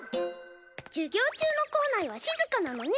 授業中の校内は静かなのね。